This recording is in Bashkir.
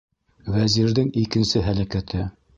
ВӘЗИРҘЕҢ ИКЕНСЕ ҺӘЛӘКӘТЕ